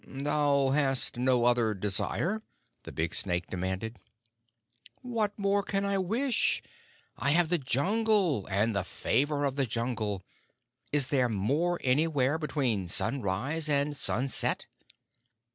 "Thou hast no other desire?" the big snake demanded. "What more can I wish? I have the Jungle, and the favor of the Jungle! Is there more anywhere between sunrise and sunset?"